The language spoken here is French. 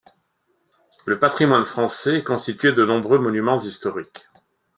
Le patrimoine français est constitué de nombreux monuments historiques.